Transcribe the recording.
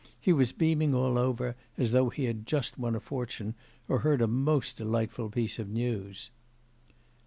He was beaming all over, as though he had just won a fortune or heard a most delightful piece of news.